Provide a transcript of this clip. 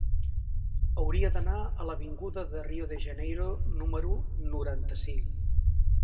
Hauria d'anar a l'avinguda de Rio de Janeiro número noranta-cinc.